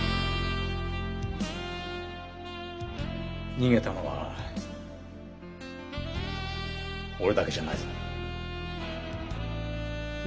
逃げたのは俺だけじゃないぞ。